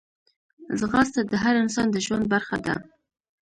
ځغاسته د هر انسان د ژوند برخه ده